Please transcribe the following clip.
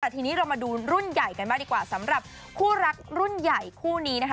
แต่ทีนี้เรามาดูรุ่นใหญ่กันมากดีกว่าสำหรับคู่รักรุ่นใหญ่คู่นี้นะคะ